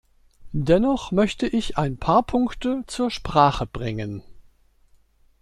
Dennoch möchte ich ein paar Punkte zur Sprache bringen.